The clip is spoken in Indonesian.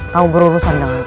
kamu berurusan dengan kita